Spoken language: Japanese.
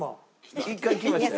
１回来ましたよ。